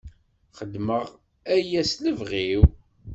Xedmeɣ aya s lebɣi-w.